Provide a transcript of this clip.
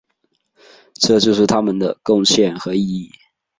这就是他们的贡献和意义。